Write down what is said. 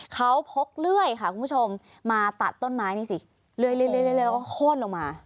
เขาพกเรื่อยค่ะคุณผู้ชมมาตัดต้นไม้นี่สิเรื่อยเรื่อยเรื่อยเรื่อยแล้วก็โคตรลงมา